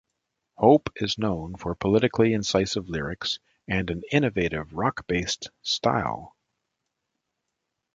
Hope is known for politically incisive lyrics and an innovative rock-based style.